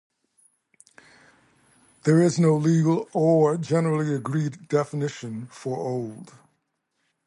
There is no legal or generally agreed definition for "old".